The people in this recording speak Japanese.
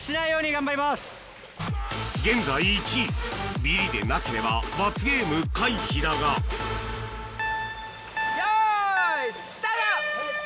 現在１位ビリでなければ罰ゲーム回避だが用意スタート！